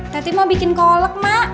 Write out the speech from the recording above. teti mau bikin kolek mak